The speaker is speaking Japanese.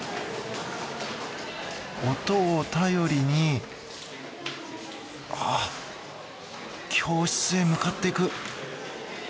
音を頼りに教室へ向かっていく。